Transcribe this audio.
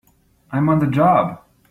I'm on the job!